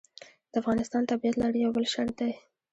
د افغانستان تابعیت لرل یو بل شرط دی.